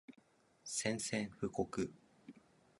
宣戦布告